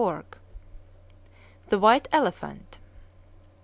XVI. THE WHITE ELEPHANT.